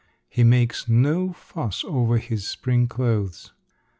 He makes no fuss over his spring clothes.